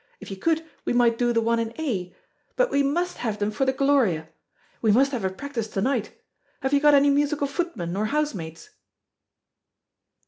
If you could, we might do the one in A; but we must have them for the Gloria. We must have a practice to night. Have you got any musical footmen or housemaids?"